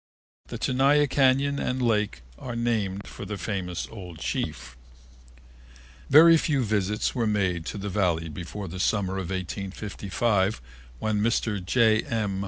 The Tenaya Cañon and Lake were named for the famous old chief. Very few visits were made to the Valley before the summer or 1855, when Mr. J. M.